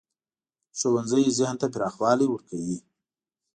ښوونځی ذهن ته پراخوالی ورکوي